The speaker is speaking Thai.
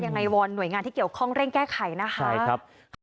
ยังไงวอนหน่วยงานที่เกี่ยวข้องเร่งแก้ไขนะคะใช่ครับ